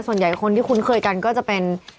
ส่วนใหญ่คนที่คุ้นเคยกันก็จะเป็น